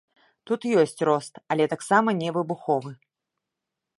Тут ёсць рост, але таксама не выбуховы.